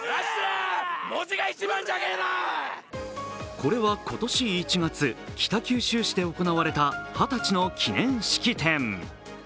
これは今年１月、北九州市で行われた二十歳の記念式典。